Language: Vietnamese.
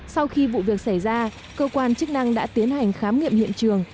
sau khi vụ việc xảy ra cơ quan chức năng đã tiến hành khám nghiệm hiện trường